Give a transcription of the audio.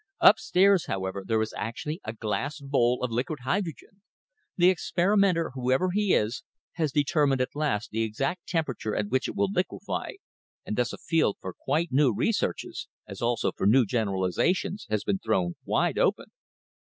Upstairs, however, there is actually a glass bowl of liquid hydrogen. The experimenter, whoever he is, has determined at last the exact temperature at which it will liquefy, and thus a field for quite new researches, as also for new generalisations, has been thrown wide open."